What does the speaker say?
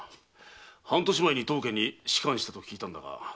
半年前に当家に仕官したと聞いたんだが。